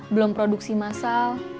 belum produksi masal